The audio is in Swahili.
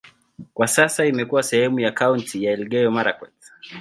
Kwa sasa imekuwa sehemu ya kaunti ya Elgeyo-Marakwet.